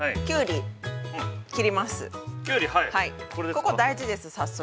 ◆ここ大事です、早速。